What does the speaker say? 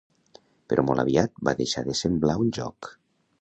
Però molt aviat va deixar de semblar un joc.